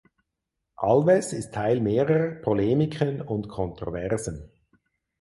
Alves ist Teil mehrerer Polemiken und Kontroversen.